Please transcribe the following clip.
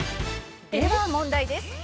「では問題です」